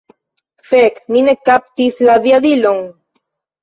Fek! Mi ne kaptis la aviadilon!